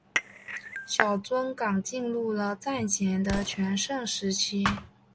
小樽港进入了战前的全盛时期。